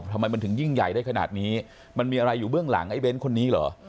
ทำไมมันถึงยิ่งใหญ่ได้ขนาดนี้มันมีอะไรอยู่เบื้องหลังไอ้เน้นคนนี้เหรอ